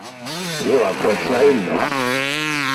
Io apprecia illo.